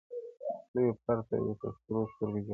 لوی افسر ته یې په سرو سترګو ژړله -